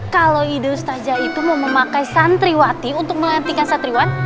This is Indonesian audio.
kalau ide ustazah itu mau memakai santriwati untuk melantikan santriwan